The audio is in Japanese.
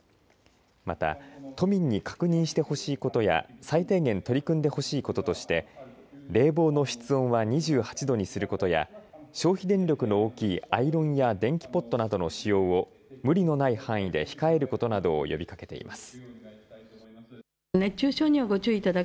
また都民に確認してほしいことや最低限、取り組んでほしいこととして冷房の室温は２８度にすることや消費電力の大きいアイロンや電気ポットなどの使用を無理のない範囲で控えることなどを呼びかけています。